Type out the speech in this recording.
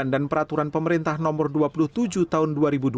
dan peraturan pemerintah nomor dua puluh tujuh tahun dua ribu dua belas